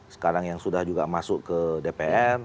sekarang yang sudah juga masuk ke dpr